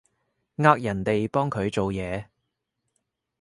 呃人哋幫佢哋做嘢